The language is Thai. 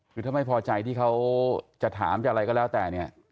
ถึงถ้าไม่พอใจเขาจะถามอะไรก็แล้วแต่